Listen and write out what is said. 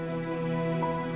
kita bisa ketemu lagi